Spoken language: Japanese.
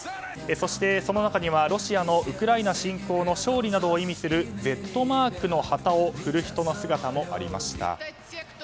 そして、その中にはロシアのウクライナ侵攻の勝利などを意味するＺマークの旗を振る人の姿もありました。